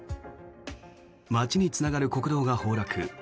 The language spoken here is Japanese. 町につながる国道が崩落。